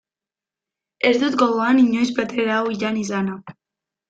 Ez dut gogoan inoiz plater hau jan izana.